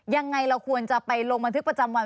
ยังไงเราควรจะไปลงบันทึกประจำวัน